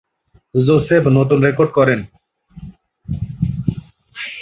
Joseph নতুন record করেন।